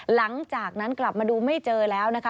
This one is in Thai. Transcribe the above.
หลังจากนั้นกลับมาดูไม่เจอแล้วนะคะ